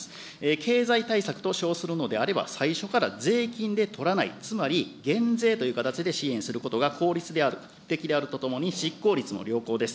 経済対策と称するのであれば、最初から税金で取らない、つまり減税という形で支援することが効率的であるとともに、執行率も良好です。